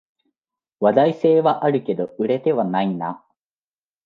話題性はあるけど売れてはないな